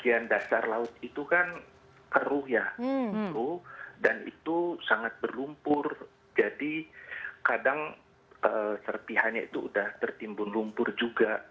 itu sudah tertimbun lumpur juga